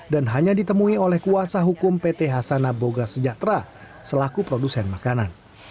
dan hanya ditemui oleh kuasa hukum pt hasana boga sejahtera selaku produsen makanan